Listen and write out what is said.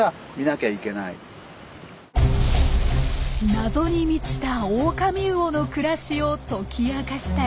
謎に満ちたオオカミウオの暮らしを解き明かしたい。